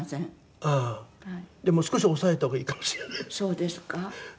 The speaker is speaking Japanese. でも少し抑えた方がいいかもしれない。